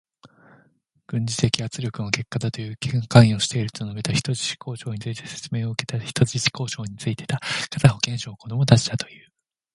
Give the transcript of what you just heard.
軍事的圧力の結果だという。関与していると述べた。人質交渉について説明を受けた。人質交渉についてた。ガザ保健省、子どもたちだという。